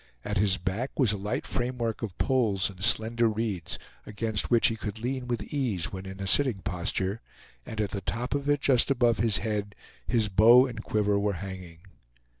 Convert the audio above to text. At his back was a light framework of poles and slender reeds, against which he could lean with ease when in a sitting posture; and at the top of it, just above his head, his bow and quiver were hanging.